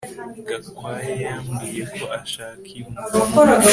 Gakwaya yambwiye ko ashaka imbwa